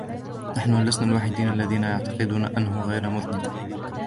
نحنُ لسنا الوحيدين الذين يعتقدون أنهُ غير مذنب.